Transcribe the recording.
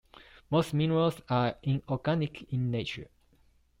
Most minerals are inorganic in nature.